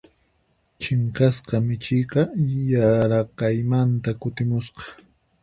Chinkasqa michiyqa yaraqaymanta kutimusqa.